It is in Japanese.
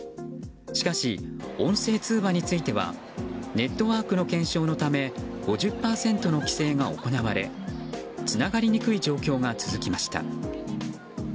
しかし音声通話についてはネットワークの検証のため５０％の規制が行われつながりにくい状況が続きました。